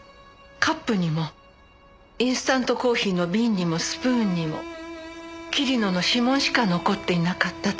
カップにもインスタントコーヒーの瓶にもスプーンにも桐野の指紋しか残っていなかったと聞いたわ。